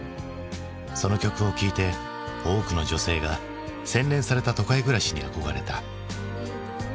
その曲を聴いて多くの女性が洗練された都会暮らしに憧れた。